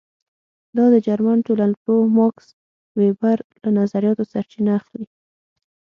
دا د جرمن ټولنپوه ماکس وېبر له نظریاتو سرچینه اخلي.